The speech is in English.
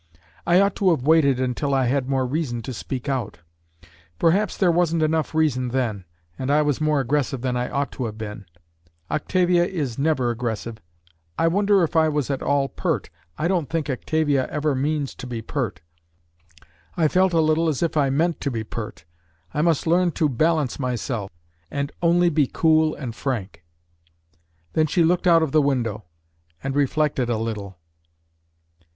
I ought to have waited until I had more reason to speak out. Perhaps there wasn't enough reason then, and I was more aggressive than I ought to have been. Octavia is never aggressive. I wonder if I was at all pert. I don't think Octavia ever means to be pert. I felt a little as if I meant to be pert. I must learn to balance myself, and only be cool and frank." Then she looked out of the window, and reflected a little.